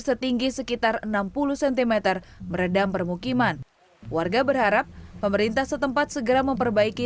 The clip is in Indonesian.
setinggi sekitar enam puluh cm meredam permukiman warga berharap pemerintah setempat segera memperbaiki